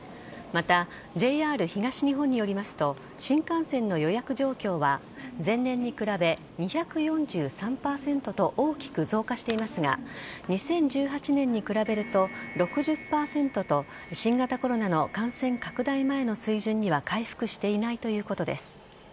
またＪＲ東日本によりますと新幹線の予約状況は前年に比べ、２４３％と大きく増加していますが２０１８年に比べると６０％と新型コロナの感染拡大前の水準には回復していないということです。